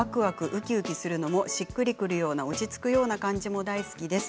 色使いがわくわく、ドキドキするのもしっくりくるような落ち着くような感じも大好きです。